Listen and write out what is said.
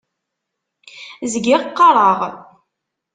Zgiɣ qqaṛeɣ.